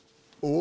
お！